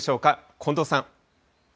近藤さん。